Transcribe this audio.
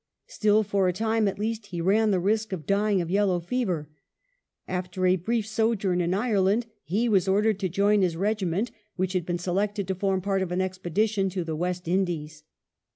Still, for a time at least, he ran the risk of dying of yellow fever. After a brief sojourn in Ireland he was ordered to join his regiment, which had been selected to form part of an expedition to the West Indies.